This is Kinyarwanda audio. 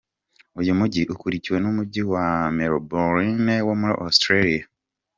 Uyu mugi, Ukurikiwe n’umujyi wa Melbourne wo muri Australia.